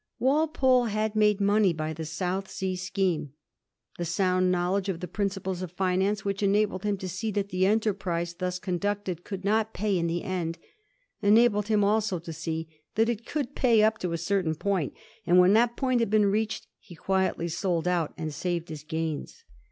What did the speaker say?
Walpole had made money by the South Sea scheme. The sound knowledge of the principles of finance which enabled him to see that the enterprise thus conducted could not pay in the end enabled him also to see that it could pay up to a certain point, and when that point had been reached he quietly sold out and saved his gains.